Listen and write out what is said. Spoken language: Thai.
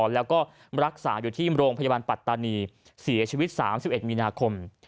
แล้วก็รักษาอยู่ที่โรงพยาบาลปัตตานีเสียชีวิต๓๑มีนาคม